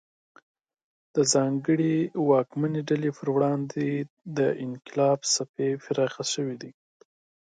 د ځانګړې واکمنې ډلې پر وړاندې د انقلاب څپې پراخې شوې.